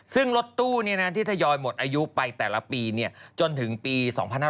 ซึ่งรถตู้ที่ทยอยหมดอายุไปแต่ละปีจนถึงปี๒๕๕๙